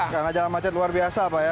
karena jalan macet luar biasa pak ya